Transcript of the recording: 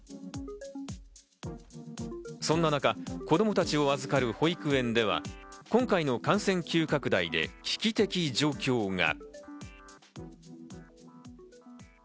そんな中、子供たちを預かる保育園では今回の感染急拡大で危機的状況が。